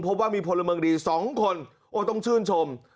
พบว่ามีพลเมืองดี๒คนโอ้ต้องชื่นชม